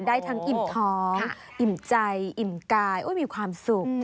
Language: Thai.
ได้ทั้งอิ่มท้องอิ่มใจอิ่มกายมีความสุข